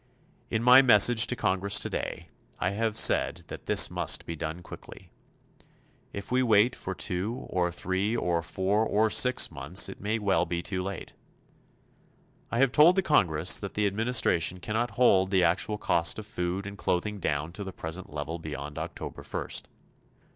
In my message to Congress today, I have said that this must be done quickly. If we wait for two or three or four or six months it may well be too late. I have told the Congress that the administration cannot hold the actual cost of food and clothing down to the present level beyond October first.